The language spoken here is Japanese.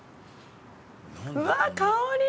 うわー香り！